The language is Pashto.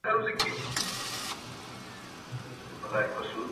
غوږ یې ونیوی منطق د زورور ته-